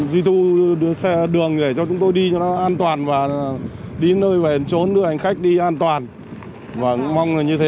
du tư xe đường để cho chúng tôi đi cho nó an toàn và đi nơi về trốn đưa hành khách đi an toàn và cũng mong là như thế